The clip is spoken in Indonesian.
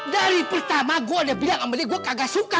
dari pertama gue udah bilang sama dia kagak suka